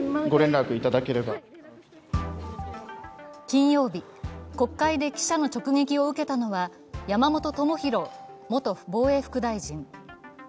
金曜日、国会で記者の直撃を受けたのは山本朋広元防衛副大臣。